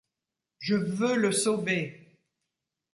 Je veux le sauver !